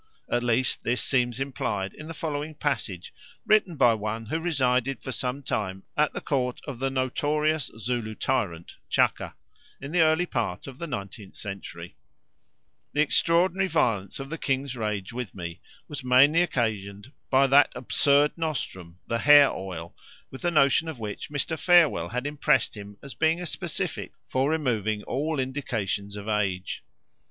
At least this seems implied in the following passage written by one who resided for some time at the court of the notorious Zulu tyrant Chaka, in the early part of the nineteenth century: "The extraordinary violence of the king's rage with me was mainly occasioned by that absurd nostrum, the hair oil, with the notion of which Mr. Farewell had impressed him as being a specific for removing all indications of age.